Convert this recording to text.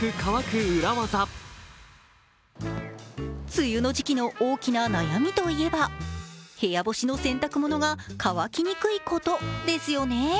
梅雨の時期の大きな悩みといえば部屋干しの洗濯物が乾きにくいことですよね。